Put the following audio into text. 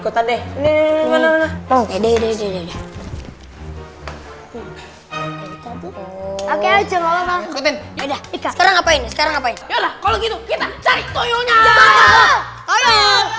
kalau gitu kita cari tuyulnya